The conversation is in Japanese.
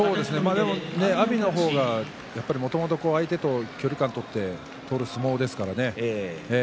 でも阿炎の方がもともとは相手と距離感を取る相撲ですからね。